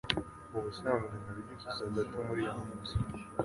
Ubusanzwe nabyutse saa tanu muri iyo minsi